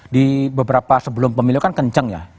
di beberapa sebelum pemilu kan kenceng ya